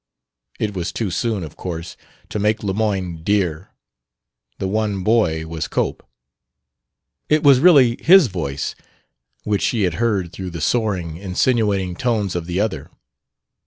It was too soon, of course, to make Lemoyne "dear" the one boy was Cope. It was really his voice which she had heard through the soaring, insinuating tones of the other.